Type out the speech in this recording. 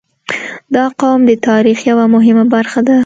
• دا قوم د تاریخ یوه مهمه برخه ده.